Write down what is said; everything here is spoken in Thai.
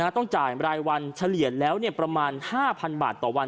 ต้องจ่ายรายวันเฉลี่ยแล้วประมาณ๕๐๐๐บาทต่อวัน